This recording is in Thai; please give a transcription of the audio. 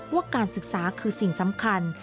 ว่าการศึกษาคือสิ่งสำคัญ